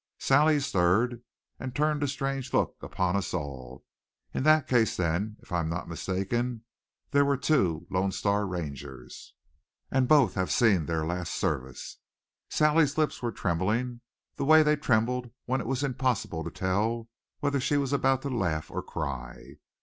Sally stirred and turned a strange look upon us all. "In that case, then, if I am not mistaken, there were two Lone Star Rangers and both have seen their last service!" Sally's lips were trembling, the way they trembled when it was impossible to tell whether she was about to laugh or cry.